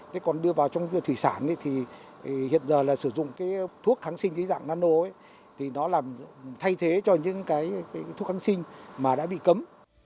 thế còn đưa vào trong thủy sản thì hiện giờ là sử dụng cái thuốc kháng sinh dưới dạng nano ấy thì nó làm thay thế cho những cái thuốc kháng sinh mà đã bị cấm